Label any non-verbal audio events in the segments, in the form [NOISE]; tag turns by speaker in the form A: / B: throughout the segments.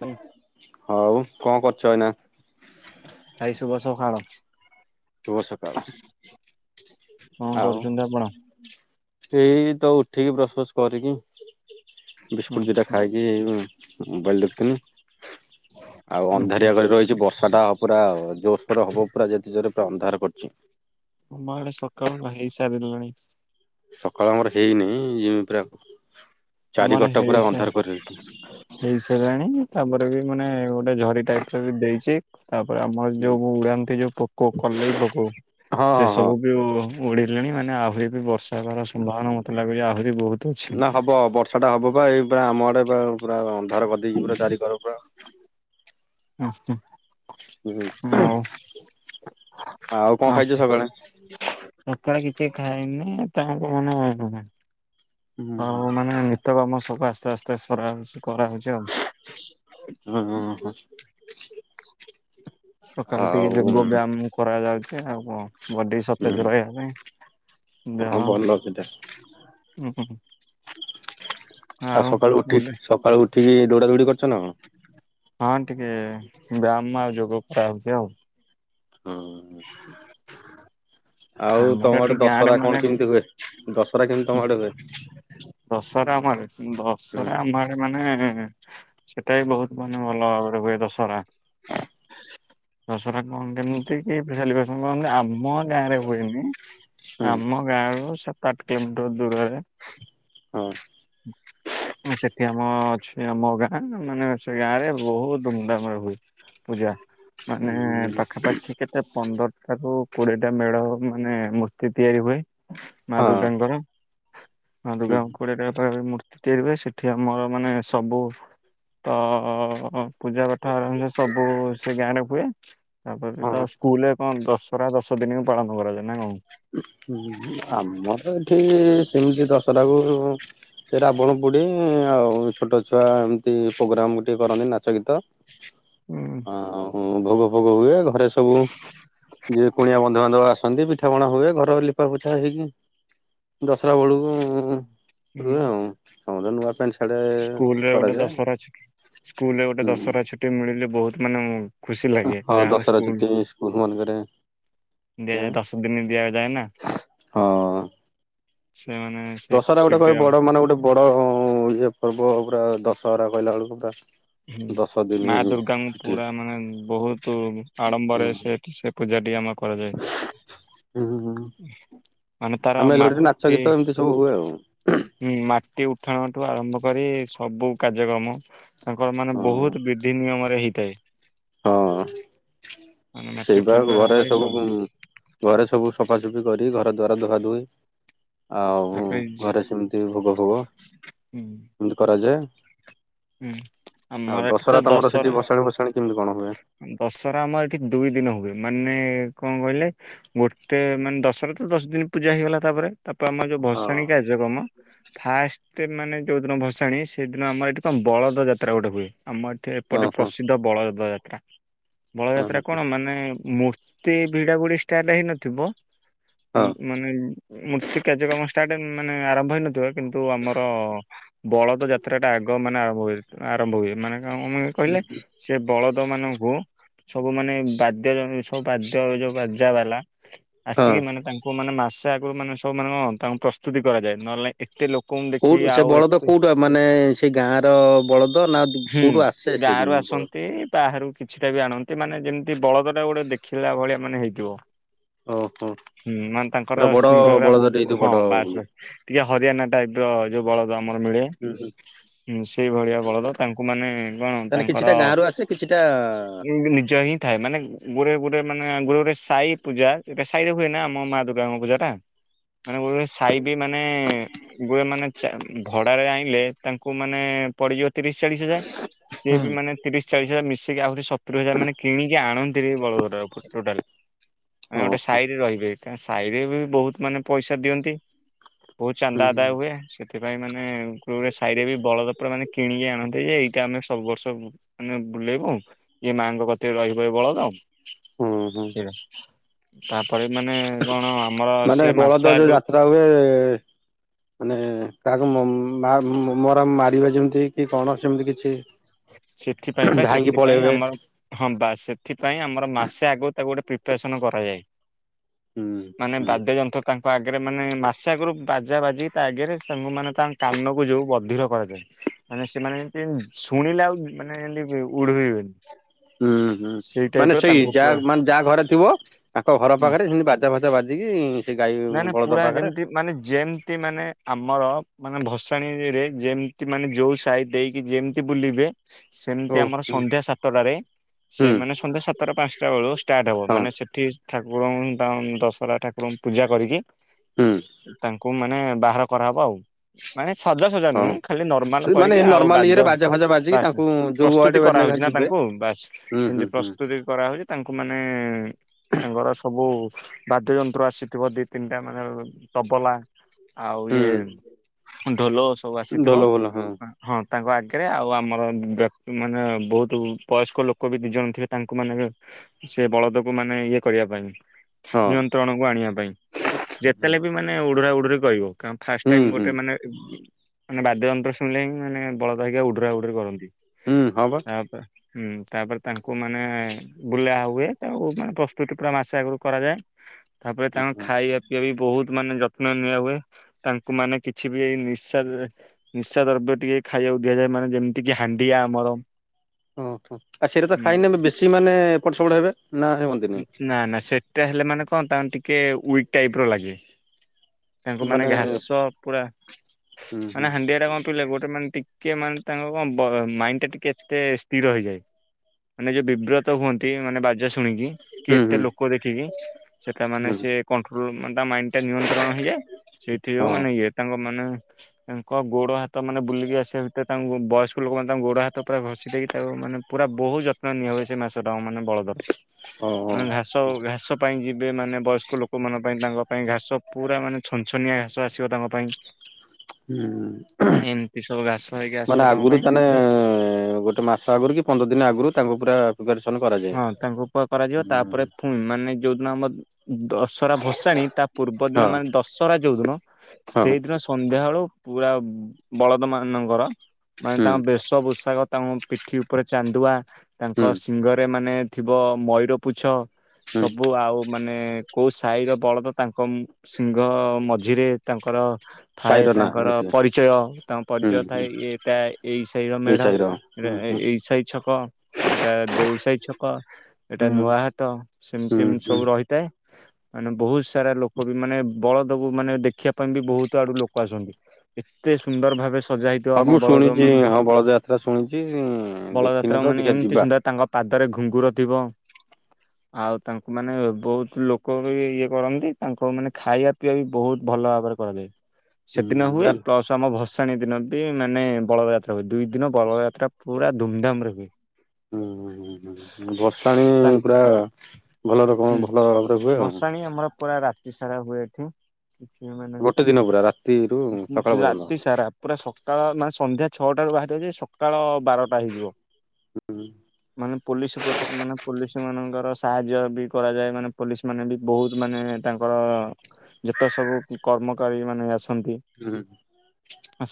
A: ଭାଇ
B: ହଉ କଣ କରୁଛ ଏଇନା
A: ଭାଇ ଶୁଭ ସକାଳ ।
B: ଶୁଭ ସକାଳ
A: କଣ
B: ଆଉ?
A: କରୁଛନ୍ତି ଆପଣ?
B: ସେଇ ତ ଉଠିକି ବ୍ରସ ଫସ କରିକି ବିସ୍କୁଟ ଦିଟା
A: ଆଛା
B: ଖାଇକି ମୋବାଇଲ ଦେଖୁଥିଲି । ଆଉ
A: ହୁଁ
B: ଅନ୍ଧାରିଆ କରି ରହିଛି ବର୍ଷା ଟା ପୁରା ଜୋରସୋର ହବ ପୁରା ଯେତେ ଜୋରେ ଅନ୍ଧାର କରୁଛି ।
A: ଆମ ଆଡେ ସକାଳୁ ନା [UNINTELLIGIBLE] ହେଇ ସାରିଲାଣି
B: ସକାଳ ଆମର ହେଇନି ଯିମି ପରା
A: ଆମର ହେଇସାର ହେଇସାରିଲାଣି ତାପରେ ବି ମାନେ ଗୋଟେ ଗୋଟେ ଝରି ଟାଇପ ର ବି ଦେଇଛି । ତାପରେ ଆମର ଯୋଉ ଉଡ଼ାନ୍ତି ଯୋଉ ପୋକ କଲେଇ ପୋକ
B: ହଁ
A: ସେ
B: ହଁ ହଁ।
A: ସବୁ ବି ଉଡିଲେଣି ମାନେ ଆହୁରି ବି ବର୍ଷା ହେବାର ସମ୍ଭାବନା ମତେ ଲାଗୁଛି ଆହୁରି ବହୁତ ଅଛି
B: ନା ହବ
A: ।
B: ବର୍ଷା ଟା ହବ ବା ଏଇ ପୁରା ଆମ ଆଡେ ପୁରା ଅନ୍ଧାର କରିଦେଇଛି ପୁରା ଚାରିିକର ପୁରା
A: ଆଛା [UNINTELLIGIBLE]
B: ହୁଁ
A: ହଉ
B: ଆଉ କଣ
A: ଆ ।
B: ଖାଇଛ ସକାଳେ?
A: ସକାଳେ କିଛି ଖାଇନି ତାଙ୍କ ମନେ
B: ହୁଁ ହୁଁ
A: ଆଉ ମାନେ ତେ ଆମ ସବୁ ଆସ୍ତେ ଆସ୍ତେ ସରାହଉଛି । କରା ହଉଛି ଆଉ ।
B: ହଁ ହଁ ହଁ
A: ସକାଳୁ ଟିକେ
B: ଆଉ
A: ଯୋଗ ବ୍ୟାୟାମ କରାଯାଉଛି ଆଉ କଣ । ବଡି ସତେଜ ରହିବା ପାଇଁ
B: ହଁ
A: ଦେହ
B: ଭଲ ଅଛି।
A: ଉୁଁ ହୁଁ
B: ଆଉ ସକାଳୁ ଉଠି ସକାଳୁ ଉଠିକି ଦୌଡା ଦୌଡି କରିଛ ନା କଣ?
A: ହଁ ଟିକେ ବ୍ୟାୟାମ ଆଉ ଯୋଗ କରା ହଉଛି ଆଉ ।
B: ହଁ । ଆଉ
A: ଆମର
B: ତମ
A: ଏଠି
B: ଆଡେ
A: ଗାଁରେ
B: ଦଶହରା
A: ମାନେ
B: କଣ କେମିତି ହୁଏ ଦଶହରା କେମିତି ତମ ଆଡେ ହୁଏ?
A: ଦଶହରା ଆମ
B: ହୁଁ
A: ଦଶରା ଆମ ଆଡ଼େ ମାନେ ମାନେ ସେଟା ହି ବହୁତ ମାନେ ଭଲ ଭାବରେ ହୁଏ ଦଶହରା । ଦଶହରା କଣ କେମିତି ସେଲିବ୍ରେସନ କରନ୍ତି ଆମ ଗାଁ ରେ ହୁଏନି
B: ହୁଁ
A: । ଆମ ଗାଁରୁ ସାତ ଆଠ କିଲୋମିଟର ଦୂରରେ
B: ହଁ।
A: ହ ସେଠି ଆମ ଅଛି ଆମ ଗାଁ ମାନେ ସେ ଗାଁରେ ବହୁତ ଧୁମଧାମରେ ହୁଏ। ପୂଜା ମାନେ ପାଖାପାଖି କେତେ ପନ୍ଦରଟା ରୁ କୋଡିଏ ଟା ମେଢ ମାନେ ମସ୍ତି ତିଆରି ହୁଏ। ମା
B: ହଁ
A: ଦୁର୍ଗାଙ୍କର ମା ଦୁର୍ଗାଙ୍କୁ କୋଡିଏ ଟା [UNINTELLIGIBLE] ମୂର୍ତ୍ତି ତିଆରି ସେଠି ଆମର ମାନେ ସବୁ ତ ଅ ପୂଜା ପାଠ ଆରାମ ସବୁ ସେ ଗାଁ ରେ ହୁଏ ତାପରେ
B: ହଁ।
A: ତ ସ୍କୁଲରେ କଣ ଦଶହରା ଦଶ ଦିନକୁ ପାଳନ କରାଯାଏ ନା କଣ?
B: ହୁଁ ଆମର ଏଠି ସେମିତି ଦଶରାକୁ ସେ ରାବଣ ପୋଡ଼ି ଆଉ ଛୋଟ ଛୁଆ ଏମିତି ପ୍ରୋଗ୍ରାମ ଟିକେ କରନ୍ତି ନାଚ ଗୀତ।
A: ହୁଁ
B: ହଁ ହୁଁ ଭୋଗ ଫୋଗ ହୁଏ ଘରେ ସବୁ ଯିଏ କୁଣିଆ ବନ୍ଧୁବାନ୍ଧବ ଆସନ୍ତି ପିଠାପଣା ହୁଏ ଘର ଲିପା ପ ଆଛା ହେଇକି ଦଶରା ବେଳକୁ ଉଁ
A: ହୁଁ
B: ରୁହେ ସମସ୍ତେ ନୂଆ ପେଣ୍ଟ
A: ସ୍କୁଲରେ ଗୋଟେ ଦଶହରା ଛୁ ସ୍କୁଲରେ ଗୋଟେ
B: ହୁଁ
A: ଦଶହରା ଛୁଟି ମିଳିଲି ବହୁତ ମାନେ ମୁଁ ଖୁସି ଲାଗେ
B: ହଁ
A: ଯା ହଉ
B: ଦଶହରା
A: ସ୍କୁଲ
B: ଛୁଟି ସ୍କୁଲ ମାନଙ୍କରେ
A: ଦିଆଯାଏ ଦଶ ଦିନ ଦିଆଯାଏନା।
B: ହଁ ଦଶହରା ଗୋଟେ କହିବେ ବଡ ମାନେ ଗୋଟେ ବଡ ଅ ଇଏ ପର୍ବ ପୁରା ଦଶହରା କହିଲା ବେଳକୁ ପୁରା।
A: ହୁଁ
B: ଦଶ ଦିନ
A: ମା ଦୁର୍ଗାଙ୍କୁ
B: ଛୁଟି
A: ପୁରା ମାନେ ବହୁତ ଆଡମ୍ବରେ
B: ହୁଁ
A: ସେଠି ସେ ପୂଜାଟି ଆମ କରାଯାଏ।
B: ହୁଁ ହୁଁ
A: ମାନେ ତାର
B: ଆମେ ଏଠି ନାଚ
A: ମାଟି
B: ଗୀତ ଏମିତି ସବୁ ହୁଏ ଆଉ
A: ହୁଁ ମାଟି ଉଠାଣଠୁ ଆରମ୍ଭ କରି ସବୁ କାର୍ଯ୍ୟକ୍ରମ। ତାଙ୍କର ମାନେ
B: ହଁ।
A: ବହୁତ ବିଧି ନିୟମରେ ହେଇଥାଏ।
B: ହଁ
A: ମାନେ ମାଟି
B: ସେଇ ବା
A: ଉଠାଣଠୁ ଆରମ୍ଭ
B: ଘରେ
A: କରି
B: ସବୁ ଘରେ ସବୁ ସଫାସଫି କରି ଘର ଦ୍ୱାରା ଧୁଆଧୋଇ ଆଉ
A: ତାପରେ
B: ଘରେ ସେମିତି ଭୋଗ ଭୋଗ
A: ହୁଁ
B: ଏମତି କରାଯାଏ।
A: ହୁଁ
B: ଆଉ
A: ଆମ ଏଟି
B: ଦଶହରା
A: ତ
B: ତମର ସେଠି
A: ଦସରା।
B: ଭସାଣି ଫସାଣି କେମିତି କଣ ହୁଏ?
A: ଦଶହରା ଆମର ଏଠି ଦୁଇ ଦିନ ହୁଏ ମାନେ କଣ କହିଲେ ଗୋଟେ ମାନେ ଦଶରା ତ ଦଶ ଦିନ ପୂଜା ହେଇଗଲା ତାପରେ ତାପ ଆମ ଯୋଉ
B: ହଁ
A: ଭସାଣି କାର୍ଯ୍ୟକ୍ରମ ଫାଷ୍ଟ ମାନେ ଯୋଉ ଦିନ ଭସାଣି ସେଦିନ ଆମ ଏଠି କଣ ବଳଦ ଯାତ୍ରା ଗୋଟେ ହୁଏ ଆମର ଏଠି ଏପଟେ
B: ଓହୋ
A: ପ୍ରସିଦ୍ଧ ବଳଦ ଯାତ୍ରା। ବଳଯାତ୍ରା
B: ହଁ
A: କଣ ମାନେ ମୂର୍ତ୍ତି ଭିଡାଭୁଡି ଷ୍ଟାର୍ଟ ହେଇନଥିବ। ଉଁ
B: ହଁ
A: ମାନେ ମୂର୍ତ୍ତି କାର୍ଯ୍ୟକ୍ରମ ଷ୍ଟାର୍ଟ ମାନେ ଆରମ୍ଭ ହେଇ ନଥିବ। କିନ୍ତୁ ଆମର ବଳଦ ଯାତ୍ରା ଟା ଆଗ ମାନେ ଆରମ୍ଭ ହୁଏ ଆରମ୍ଭ ହୁଏ ମାନେ ଆ [UNINTELLIGIBLE] କହିଲେ ସେ ବଳଦ ମାନଙ୍କୁ ସବୁ ମାନେ ବାଦ୍ୟ [UNINTELLIGIBLE] ସବୁ ବାଦ୍ୟ ଯୋଉ ବାଜା ବାଲା
B: ହଁ।
A: ଆସିକି ମାନେ ତାଙ୍କୁ ମାନେ ମାସ ଆଗରୁ ମାନେ ସବୁ ମାନଙ୍କ ତାଙ୍କୁ ପ୍ରସ୍ତୁତି କରାଯାଏ ନହେଲେ ନାଇ
B: କୋଉଠୁ ସେ ବଳଦ କୋଉଠୁ ମାନେ ସେ ଗାଁର ବଳ ତ ନା
A: ହୁଁ
B: କୋଉଠୁ ଆସେ ସେ
A: ଗାଁରୁ
B: ଜ ବଳଦ
A: ଆସନ୍ତି ବାହାରୁ କିଛିଟା ବି ଆଣନ୍ତି ମାନେ ଯେମିତି ବଳଦ ଟା ଗୋଟେ ଦେଖିଲା ଭଳିଆ ମାନେ ହେଇଥିବ।
B: ଓ ହ
A: ହୁଁ ମାନେ ତାଙ୍କର ସିଂହ ଗୁରା ବହୁତ
B: ହେଇଥିବ
A: ହଁ
B: ବଡ
A: ବାସ
B: ହୁଁ
A: ବାସ୍ ଟିକେ ହରିୟାଣା ଟାଇପ ର ଯୋଉ ବଳଦ ଆମର ମିଳେ
B: ହୁଁ
A: ଉଁ ସେଇ ଭଳିଆ ବଳଦ। ତାଙ୍କୁ ମାନେ କଣ
B: ତାହେଲେ
A: ତାଙ୍କର
B: କିଛିଟା ଗାଁ ରୁ ଆସେ କିଛିଟା
A: ନିଜ ହିଁ ଥାଏ ମାନେ ଗୁରେ ଗୋ ମାନେ ଗୁରେ ଗୁରେ ସାଇକୁ ଯାଏ ସେଟା ସାଇରେ ହୁଏନା ଆମ ମା ଦୁର୍ଗାଙ୍କ ପୂଜା ଟା। ମାନେ ଗୁରେ ସାଇ ବି ମାନେ ଗୁରେ ମାନେ ଚା ଭ ଆଣିଲେ ତାଙ୍କୁ ମାନେ ପଡିଯିବ ତିରିଶ ଚାଳିଶ ହଜାର ସିଏ ବି ମାନେ ତିରିଶ ଚାଳିଶ ହଜାର ମିଶେଇକି ଆହୁରି ସତୁରି ହଜାର ମାନେ କିଣିକି ଆଣନ୍ତିରି ବଳଦ ଗୋଟାକ ଟୋଟାଲ। ମାନେ ଗୋଟେ
B: ଓହୋ
A: ସାହିରେ ରହିବେ କାଇ ସାହି ରେ ବି ବହୁତ ମାନେ ପଇସା ଦିଅନ୍ତି। ବହୁତ ଚାନ୍ଦା
B: ହୁଁ
A: ଆଦାୟ ହୁଏ ସେଥିପାଇଁ ମାନେ [UNINTELLIGIBLE] ସାହିରେ ବି ବଳଦ ପୁରା ମାନେ କିଣିକି ଆଣନ୍ତି ଯେ ଏଇଟା ଆମେ ସବୁ ବର୍ଷ ମାନେ ବୁଲେଇବୁ, ଇଏ ମାଆଙ୍କ କତିରେ ରହିବ ଏ ବଳଦ
B: ହୁଁ ହୁଁ
A: ସେଟା ତାପ
B: ମାନେ
A: ମାସେ
B: ବଳଦ ଯୋଉ
A: ଆଗରୁ
B: ଯାତ୍ରା ହୁଏ ମାନେ କାହାକୁ ମ ମା ମର ମାରିବା ଯେମିତି କି କଣ ସେମିତି କିଛି
A: ସେଥିପାଇଁ ବା
B: ଧାଇଁକି
A: ସେଥିପାଇଁ
B: ପଳେଇବେ
A: ଆମର ହଁ ବାସ୍ ସେଥିପାଇଁ ଆମର ମାସେ ଆଗରୁ ତାକୁ ଗୋଟେ ପ୍ରିପାରେସନ କରାଯାଏ
B: ହୁଁ
A: ମାନେ
B: ହୁଁ
A: ବାଦ୍ୟ ଯନ୍ତ୍ର କା ତାଙ୍କ ଆଗେରେ ମାନେ ମାସେ ଆଗରୁ ବାଜା ବାଜିକି ତା ଆଗେରେ ତାଙ୍କୁ ମାନେ ତାଙ୍କ କାନକୁ ଯୋଉ ବଧିର କରାଯାଏ। ମାନେ ସେମାନେ ଏମତି ଶୁଣିଲେ ଆଉ ମାନେ ଏମତି ଉଡୁରେଇବେନି।
B: ହୁଁ ହୁଁ। ମାନେ ସେଇ
A: ପୁରା
B: ଯାହା ମାନେ ଯାହା ଘରେ ଥିବ ତାଙ୍କ ଘର ପାଖରେ ସେମିତି ବାଜା ଫାଜା ବାଜି
A: ନାଇ ନାଇଁ ପୁରା ଯେମତି ମାନେ ଯେମତି ମାନେ ଆମର ମାନେ ଭସାଣିରେ ଯେମତି ମାନେ ଯୋଉ ସାହି ଦେଇକି ଯେମତି ବୁଲିବେ ସେମତି
B: ଓ
A: ଆମର
B: ହୁଁ
A: ସନ୍ଧ୍ୟା ସାତଟାରେ ସେ
B: ହୁଁ
A: ମାନେ ସନ୍ଧ୍ୟା ସାତଟା ପାଞ୍ଚଟା ବେଳକୁ ଷ୍ଟାର୍ଟ ହବ।
B: ହଁ
A: ମାନେ ସେଠି ଠାକୁର ଙ୍କ ତା ଦଶହରା ଠାକୁରଙ୍କୁ ପୂଜା କରିକି,
B: ହୁଁ
A: ତାଙ୍କୁ ମାନେ ବାହାର କରାହବ ଆଉ। ମାନେ ସାଜସଜ୍ଜା ନୁହଁ
B: ହଉ
A: ଖାଲି ନର୍ମାଲ
B: ସେ ମାନେ
A: କରିକି ଆଉ
B: ନର୍ମାଲ ଇଏରେ
A: ବାଦ୍ୟ,
B: ବାଜା ଫାଜା ବାଜିକି
A: ବାସ୍
B: ତାଙ୍କୁ
A: ବାସ୍
B: ଯୋଉ ୱାର୍ଡ
A: ପ୍ରସ୍ତୁତି
B: ୱାର୍ଡ ନେଖା
A: କରାହଉଛି ନା
B: ଯିବେ
A: ତାଙ୍କୁ। ବାସ
B: ହୁଁ
A: ସେମତି
B: ହୁଁ ହୁଁ
A: ପ୍ରସ୍ତୁତି କରାହଉଛି ତାଙ୍କୁ ମାନେ ତାଙ୍କର ସବୁ ବାଦ୍ୟ ଯନ୍ତ୍ର ଆସିଥିବ ଦି ତିନିଟା ମାନେ ତବଲା ଆଉ ଇଏ
B: ହୁଁ
A: ଢୋଲ ସବୁ ଆସିଥିବ
B: ଢୋଲ ବୋଲ ହଁ
A: ହଁ। ତାଙ୍କ ଆଗରେ ଆଉ ଆମର ବ୍ୟକ୍ତି ମାନେ ବହୁତ ବୟସ୍କ ଲୋକ ବି ଦିଜଣ ଥିବେ ତାଙ୍କୁ ମାନେ ସେ ବଳଦକୁ ମାନେ ଇଏ କରିବା ପାଇଁ।
B: ହଁ।
A: ତାଙ୍କୁ ଆଣିବା ପାଇଁ। ଯେତେହେଲେ ବି ମାନେ ଉଡୁରା ଉଡୁରି କହିବ। କାରଣ ଫାଷ୍ଟ
B: ହୁଁ
A: ଟାଇମ
B: ହୁଁ
A: ଗୋଟେ ମାନେ ମାନେ ବାଦ୍ୟ ଯନ୍ତ୍ର ଶୁଣିଲେ ହିଁ ମାନେ ବଳଦ ହେଇକା ଉଡୁରା ଉଡୁରି କରନ୍ତି।
B: ହୁଁ ହବ।
A: ତାପରେ ହୁଁ। ତାପରେ ତାଙ୍କୁ ମାନେ ବୁଲା ହୁଏ, ତାଙ୍କୁ ମାନେ ପ୍ରସ୍ତୁତି ପୁରା ମାସେ ଆଗରୁ କରାଯାଏ। ତାପରେ ତାଙ୍କୁ ଖାଇବା ପିଇବା ବି ବହୁତ ମାନେ ଯତ୍ନ ନିଆ ହୁଏ। ତାଙ୍କୁ ମାନେ କିଛି ବି ଏଇ ନିଶା ନିଶା ଦ୍ରବ୍ୟ ଟିକେ ଖାଇବାକୁ ଦିଆଯାଏ ମାନେ ଯେମତିକି ହାଣ୍ଡିଆ ଆମରମ
B: ଓହୋ। ଆଉ ସେଟା ତ ଖାଇନେବେ ବେଶୀ ମାନେ ଏପଟ ସେପଟ ହେବେ। ନା ହୁଅନ୍ତିନି
A: ନା ନା ସେଟା ହେଲେ ମାନେ କଣ ତାଙ୍କ ଟିକେ ୱିକ ଟାଇପର ଲାଗେ। ତାଙ୍କୁ ମାନେ ଘାସ ପୁରା
B: ହୁଁ ହୁଁ
A: ମାନେ ହାଣ୍ଡିଆଟା କଣ ପିଇଲେ କି ଗୋଟେ ମାନେ ଟି ଟିକେ ମାନେ ତାଙ୍କ କଣ ବ ମାଇଣ୍ଡ ଟା ଟିକେ ଏତେ ସ୍ଥିର ହେଇଯାଏ। ମାନେ ଯୋଉ ବିବ୍ରତ ହୁଅନ୍ତି ମାନେ ବାଜା ଶୁଣିକି, କି
B: ହୁଁ
A: ଏତେ
B: ହୁଁ
A: ଲୋକ ଦେଖିକି ସେଟା ମାନେ
B: ହୁଁ
A: ସେ କଣ୍ଟ୍ରୋଲ ମାନେ ତା ମାଇଣ୍ଡ ଟା ନିୟନ୍ତ୍ରଣ ହେଇଯାଏ, ସେଇଥି ଯୋଉ
B: ହଁ
A: ମାନେ ଇଏ ତାଙ୍କ ମାନେ ତାଙ୍କ ଗୋଡ ହାତ ମାନେ ବୁଲିକି ଆସିବା ଭିତରେ ତାଙ୍କୁ ବୟସ୍କ ଲୋକମାନେ ତାଙ୍କୁ ଗୋଡ଼ ହାତ ପୁରା ଘଷି ଦେଇକି, ତାକୁ ମାନେ ପୁରା ବହୁ ଯତ୍ନ ନିଆ ହୁଏ ସେ ମାସଟା ମାନେ ବଳ
B: ଓହୋ
A: ମାନେ ଘାସ ଘାସ ପାଇଁ ଯେମ୍ ଏବେ ମାନେ ବୟସ୍କ ଲୋକମାନଙ୍କ ପାଇଁ ତାଙ୍କ ପାଇଁ ଘାସ ପୁରା ମାନେ ଛନଛନିଆ ଘାସ ଆସିବ ତାଙ୍କ ପାଇଁ
B: ହୁଁ।
A: ଏମିତି ସବୁ ଘାସ ହେଇକି
B: ମାନେ
A: ଆସିବ ତାଙ୍କ
B: ଆଗୁରୁ
A: ପାଇଁ
B: ତାହେନେ ଗୋଟେ ମାସ ଆଗରୁ କି ପନ୍ଦର ଦିନ ଆଗୁରୁ ତାଙ୍କୁ ପୁରା ପ୍ରିପାରେସନ କରାଯାଏ।
A: ହଁ ତାଙ୍କୁ ଉପ କରାଯିବ ତାପରେ ଫୁଣ ମାନେ ଯୋଉଦିନ ଆମ ଦଶହରା ଭସାଣି ତା ପୂର୍ବ ଦିନ
B: ହଁ
A: ମାନେ ଦଶହରା ଯୋଉ ଦିନ,
B: ହଁ
A: ସେଇଦିନ ସନ୍ଧ୍ୟାବେଳୁ ପୁରା ବଳଦ ମାନଙ୍କର ମାନେ
B: ହୁଁ
A: ତାଙ୍କ ବେଶ ପୋଷାକ ତାଙ୍କୁ ପି ପିଠି ଉପରେ ଚାନ୍ଦୁଆ, ତାଙ୍କ
B: ହୁଁ
A: ଶିଂଘରେ ମାନେ ଥିବ ମୟୂର ପୁଚ୍ଛ
B: ହୁଁ
A: ସବୁ ଆଉ ମା ମାନେ କୋଉ ସାହିର ବଳଦ ତାଙ୍କ ସିଂହ ମଝିରେ ତାଙ୍କର ଥାଏ
B: ସାଇର ନାଁ
A: ତାଙ୍କର
B: ଲେଖିବେ
A: ପରିଚୟ ତାଙ୍କ ପରିଚୟ
B: ହୁଁ
A: ଥାଏ ଏଟା ଏଇ ସାହି ର
B: ଏଇ
A: ମେଢ
B: ସାଇର ହୁଁ ହୁଁ
A: ଏଇସାଇ ଛକ ଏଇଟା ଦେଉସ ସେଇ ଛକ ଏଇଟା
B: ହୁଁ
A: ନୂଆ ହଟ ସେମିତି ଏମିତି
B: ହୁଁ
A: ସବୁ ରହିଥାଏ। ମାନେ ବହୁତ ସାରା ଲୋକ ବି ମାନେ ବଳଦକୁ ମାନେ ଦେଖିବା ପାଇଁ ବି ବହୁତ ଆଡୁ ଲୋକ ଆସନ୍ତି ଏତେ ସୁନ୍ଦର ଭାବେ ସଜା ହେଇଥିବ
B: ହଁ
A: ଆମ
B: ମୁଁ
A: ବଳଦଉ
B: ଶୁଣିଛି
A: ମାନେ
B: ହଁ ବଳଦ ଯାତ୍ରା ଶୁଣିଛି ଦେଖିନି
A: ବଳଯାତ୍ରା
B: ତ
A: ମାନେ
B: ଦେଖିଆ
A: ଏମତି
B: ଯିବା।
A: ସୁନ୍ଦର ତାଙ୍କ ପାଦ ରେ ଘୁଙ୍ଗୁର ଥିବ ଆଉ ତାଙ୍କୁ ମାନେ ବହୁତ ଲୋକ ବି ଇଏ କରନ୍ତି ତାଙ୍କ ମାନେ ଖାଇବା ପିଇବା ବି ବହୁତ ଭଲ ଭାବରେ କରାଯାଏ
B: ହୁଁ
A: ସେଦିନ ହୁଏ
B: ଜାଣିଲ
A: ପ୍ଲସ ଆମ ଭସା ଣୀ ଦିନ ବି ମାନେ ବଳଦଯାତ୍ରା ହୁଏ ଦୁଇ ଦିନ ବଳଯାତ୍ରା ପୁରା ଧୁମଧାମ ରେ ହୁଏ।
B: ହୁଁ ବର୍ଷାଣି
A: ତାଙ୍କ
B: ପୁରା ଭଲ ରକମ
A: ହୁଁ
B: ଭଲ ଭାବରେ ହୁଏ ଆଉ।
A: ଭସାଣି ଆମର ପୁରା ରାତି ସାରା ହୁଏ ଏଠି କିଛି ମେ
B: ଗୋଟେ ଦିନ ପୁରା ରାତିରୁ ସକାଳ ପର୍ଯ୍ୟନ୍ତ।
A: ରାତି ସାରା ପୁରା ସକାଳ ମାନେ ସନ୍ଧ୍ୟା ଛଅଟା ରାରୁ ବାହାରିିବ ଯେ ସକାଳ ବାରଟା ହେଇଯିବ ମାନେ ପୋଲିସ ମାନେ ପୋଲିସ ମାନଙ୍କର ସାହାଯ୍ୟ ବି କରାଯାଏ ମାନେ ପୋଲିସ ମାନେ ବି ବହୁତ ମାନେ ତାଙ୍କର ଯେତେ ସବୁ କର୍ମକାରୀ ମାନେ ଆସ
B: ହୁଁ।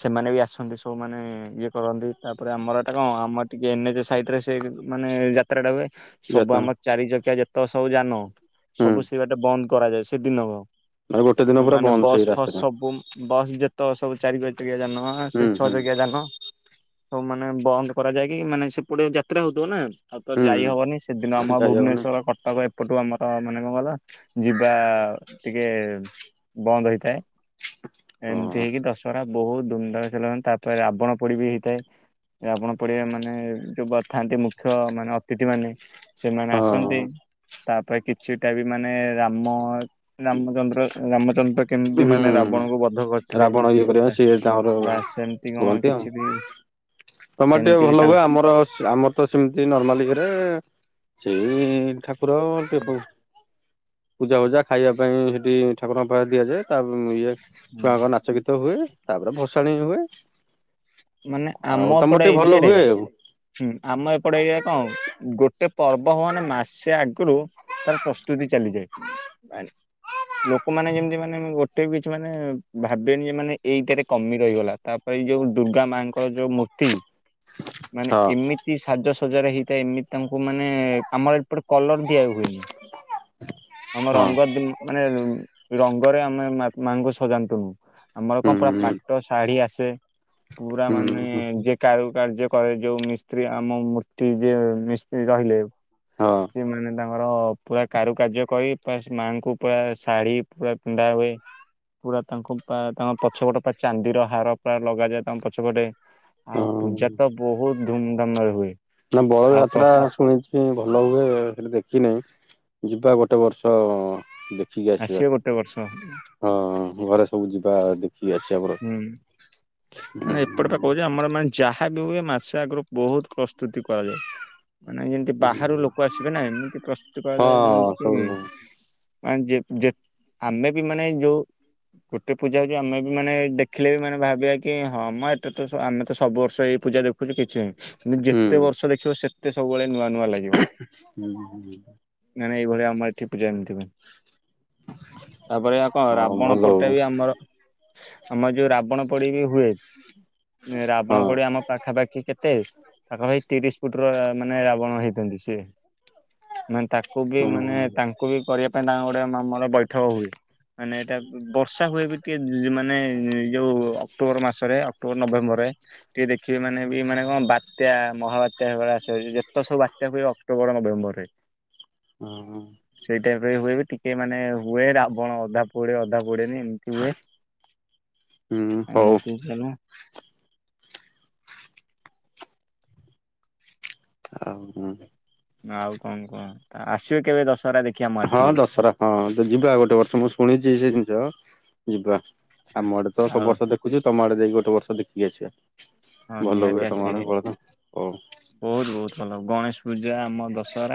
A: ସେମାନେ ବି ଆସନ୍ତି ସବୁମାନୋନେ ଇଏ କରନ୍ତି ତାପରେ ଆମର ଏଇଟା କଣ ଆମର ଟିକେ ଏ ଏଚ ସାଇ ରେ ସେ ମାନେ ଯାତ୍ରା ଟା ହୁଏ ସବୁ
B: ଯାତ୍ରା
A: ଆମର ଚାରି ଚକିଆ ଯେତ ସବୁ ଯାନ
B: ହୁଁ
A: ସବୁ ସେବା ଟା ବନ୍ଦ କରାଯାଏ ସେ ଦିନ ହ
B: ଆଉ ଗୋଟେ ଦିନ ପୁରା
A: ମାନେ
B: ବନ୍ଦ
A: ବସ୍
B: ସେଇ
A: ଫସ୍
B: ରାସ୍ତାଟା
A: ସବ ବସ୍ ଯେତ ତ ସବୁ ଚାରି ବଜକି ଜା ସେ
B: ହୁଁ
A: ଛଅ
B: ହୁଁ
A: ଜକିଆ ଜା ହଉ ମାନେ ବନ୍ଦ କରାଯ ଯାଏକ ମାନେ ସେପଟେ ଯାତ୍ରା ହଉଥିବ ନା? ଆଉ ତ ଯାଇ
B: ହୁଁ
A: ହବନି ସେଦିନ ଆମ
B: ଯାଇହବନି
A: ଭୁବନେଶ୍ୱର କଟକ ଏପଟୁ ଆମର ତ ମାନେ କଣ କଲ ଯିବା ଟିକେ ବନ୍ଦ ହେଇଥାଏ। ଏମିତି
B: ହଁ
A: ହେଇକି ଦଶ ବହୁତ ଦୁମଧାମ ସେ ତାପରେ ରାବଣ ପୋଡି ବି ହେଇଥାଏ ରାବଣ ପୋଡିଆ ମାନେ ଯୋଉ ଥାନ୍ତି ମୁଖ୍ୟ ମାନେ ଅତିଥି ମାନେ ସେମାନେ ଆସନ୍ତି
B: ହଁ
A: ତାପରେ କିଛିଟା ବି ମାନେ ରାମ ରାମଚନ୍ଦ୍ର ରାମଚନ୍ଦ୍ର କେମିତି ମାନେ
B: ହୁଁ
A: ରାବଣଙ୍କୁ ବଧ କରିଥିଲେ
B: ରାବଣ ଇଏ କରିବା ସିଏ ତାଙ୍କର
A: ବା ସେମିତି କଣ
B: କୁହନ୍ତି ଆଉ
A: କିଛି ବି
B: ତମର ଟିକେ
A: ସେମିତି ବି
B: ଭଲ ହୁଏ
A: ତାଙ୍କ
B: ଆମର ଆମର ତ ସେମିତି ନର୍ମାଲିରେ ସେଇ ଠାକୁର ପପ ପୂଜା ହୂଜା ଖାଇବା ପାଇଁ ସେଠି ଠାକୁରଙ୍କ ପାଖ ଦିଆଯାଏ। ତା ଇଏ ଛୁଆଙ୍କ ନାଚ ଗୀତ ହୁଏ ତାପରେ ଭସାଣି ହୁଏ।
A: ମାନେ ଆମ
B: ଆଉ ତମର
A: ଏପଟେ
B: ଟିକେ ଭଲ
A: ଏରିଆରେ
B: ହୁଏ ଆଉ
A: ହୁଁ ଆମ ଏପଟେ ଏରିଆ କଣ ଗୋଟେ ପର୍ବ ହ ମାନେ ମାସେ ଆଗରୁ ତାର ପ୍ରସ୍ତୁତି ଚାଲିଯାଏ। ଲୋକମାନୋନେ ଯେମିତି ମାନେ ଗୋଟେ ବି କିଛି ମାନେ ଭାବିବେନି ଯେ ମାନେ ଏଇଥିଆରେ କମି ରହିଗଲା ତାପରେ ଏଇ ଯୋଉ ଦୁର୍ଗା ମାଙ୍କର ଯୋଉ ମୂର୍ତ୍ତି ମାନେ ଏମିତି ସାଜ ସଜାରେ ହେଇଥାଏ ଏମିତି ତାଙ୍କୁ ମାନେ ଆମର ଏପଟେ କଲର ଦିଆ ହୁଏନି। ଆମ
B: ହଁ
A: ରଙ୍ଗ ମାନେ ରଙ୍ଗରେ ଆମେ ମାଆଙ୍କୁ ସଜାନ୍ତୁନି ଆମର
B: ହଁ
A: କଣ ପୁରା
B: ହୁଁ ହୁଁ
A: ପାଟ ଶାଢୀ ଆସେ ପୁରା ମାନେ
B: ହୁଁ
A: ଯେ କ କ କ ଯୋଉ ମିସ୍ତ୍ରୀ ଆମ ମୂର୍ତ୍ତି ଯ ମିସ୍ତ୍ରୀ ରହିଲେ
B: ହଁ
A: ସେମାନେ ତାଙ୍କ ମମର ପୁରା କାରୁକାର୍ଯ୍ୟ କରି ପୁର ମାଆଙ୍କୁ ପୁରା ଶାଢୀ ପୁରା ପିଧା ହୁଏ। ପୁରା ତାଙ୍କୁ ତାଙ୍କ ପଛପଟ ପୁରା ଚାନ୍ଦିର ହାର ପୁରା ଲଗାଯା ତମ ପଛପଟେ ଆଉ
B: ହଁ
A: ପୂଜା ତ ବହୁତ ଧୁମଧାମରେ ହୁଏ।
B: ନା ବଳ
A: ଆଉ
B: ଯାତ୍ରା
A: ପ୍ରସ
B: ଶୁଣିଛି ଭଲ ହୁଏ ସେଠି ଦେଖିନହିଁ ଯିବା ଗୋଟେ ବର୍ଷ ଦେଖିକି ଆସିବା
A: ଆସିବେ ଗୋଟେ ବର୍ଷ
B: ହଁ। ଘରେ ସବୁ ଯିବା ଦେଖିକି ଆସିବା
A: ହୁଁ କଣ ଏପଟ କହୁଛ ଆମର ମାନେ ଯାହା ହୁଏ ମାସେ ଆଗରୁ ବହୁତ ପ୍ରସ୍ତୁତି କରାଯାଏ। ମାନେ ଯେମିତି ବାହାରୁ ଲୋକ ଆସିବେ ନା ଏମିତି ପ୍ରସ୍ତୁତି କରାଯାଏ ଯେମିତି
B: ଆମର ହଁ
A: କି
B: ସବୁ
A: ମାନେ ଆମେ ବି ମାନେ ଯୋଉ ଗୋଟେ ପୂଜା ହଉଛି ଆମେ ବି ମାନେ ଦେଖିଲେ ବି ମାନେ ଭାବିବା କି ହଁ ମ ଏତେ ତ ଆମେ ତ ସବୁ ବର୍ଷ ଏଇ ପୂଜା ଦେଖୁଛୁ କିଛି ନାହିଁ। ଯେତେ ବର୍ଷ ଦେଖିବ, ସେତେ ସବୁବେଳେ ନୂଆ ନୂଆ ଲାଗିବ।
B: ହୁଁ।
A: ଏଇଭଳିଆ ଆମର ଏଠି ପୂଜା ଏମିତି ହୁଏ ।ତାପରେ ଆଉ କଣ
B: ହଁ
A: ରାବଣ
B: ଭଲ
A: ପୋଡିଟା
B: ହଉ
A: ବି ଆମର ଆମ ଯୋଉ ରାବଣ ପୋଡି ବି ହୁଏ ରାବଣ
B: ହଁ
A: ପୋଡି ଆମ ପାଖାପାଖି କେତେ ତାଙ୍କର ସେଇ ତିରିଶ ଫୁଟ ର ମାନେ ରାବଣ ହେଇଥାନ୍ତି ସେ । ମାନେ ତାକୁ ବି ମାନେ
B: ହୁଁ
A: ତାଙ୍କୁ ବି କରିବା ପାଇଁ ତାଙ୍କ ଗୋଟେ ଆମର ବୈଠକ ହୁଏ। ମାନେ ଏଇଟା ବର୍ଷା ହୁଏ ବି ଟିକେ ମାନେ ଯୋଉ ଅକ୍ଟୋବର ମାସରେ ଅକ୍ଟୋବର ନଭେମ୍ବର ରେ ଟିକେ ଦେଖିବେ ମାନେ ବି ମାନେ କଣ ବା ବାତ୍ୟା ମହାବାତ୍ୟା [UNINTELLIGIBLE] ଯେତେ ସବୁ ବାତ୍ୟା ହୁଏ ଅକ୍ଟୋବର ନଭେମ୍ବର ରେ।
B: ହଁ ହଁ।
A: କେବେ ହୁଏ ବି ଟିକେ ମାନେ ହୁଏ ରାବଣ ଅଧା ପୋଡେ ଅଧା ପୋଡେନି ଏମିତି ହୁଏ।
B: ହୁଁ ହଉ।
A: ଏମିତି ଚାଲେ
B: ଆଉ ହୁଁ
A: ଆଉ କଣ କୁହ ଆସିବେ କେବେ ଦଶହରା ଦେଖି?
B: ହଁ ଦଶହରା ହଁ ଯିବା ଗୋଟେ ବର୍ଷ ମୁଁ ଶୁଣିଛି ସେ ଜିନିଷ ଯିବା। ଆମ ଆଡେ ତ ସବୁ
A: ଆଉ
B: ବର୍ଷ ଦେଖୁଛି ତମ ଆଡେ ଯାଇକି ଗୋଟେ ବର୍ଷ ଦେଖିକି ଆସିବା।
A: ହଁ
B: ଭଲ
A: ନିହାତି
B: ହୁଏ ତମ ଆଡେ
A: ଆସିବେ
B: ବଳଦ ହଉ
A: ବହୁତ ବହୁତ ଭଲ ଗଣେଶ ପୂଜା ଆମ ଦଶହରା।